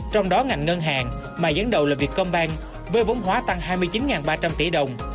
trong đó ngành ngân hàng mà dẫn đầu là vietcombank với vốn hóa tăng hai mươi chín ba trăm linh tỷ đồng